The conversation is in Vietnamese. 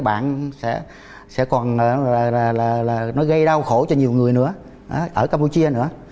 bạn sẽ còn nó gây đau khổ cho nhiều người nữa ở campuchia nữa